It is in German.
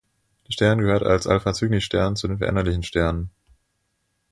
Der Stern gehört als Alpha-Cygni-Stern zu den Veränderlichen Sternen.